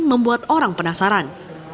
membuat orang penasaran